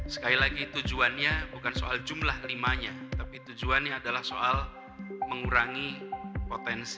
sekali lagi tujuannya bukan soal jumlah limanya tapi tujuannya adalah soal mengurangi potensi interaksi